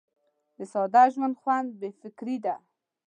د ساده ژوند خوند بې فکري ده.